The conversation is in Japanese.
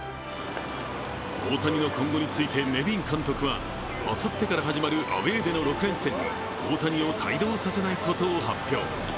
大谷の今後についてネビン監督はあさってから始まるアウェーでの６連戦に大谷を帯同させないことを発表。